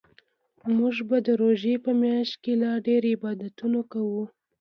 موږ به د روژې په میاشت کې لا ډیرعبادتونه کوو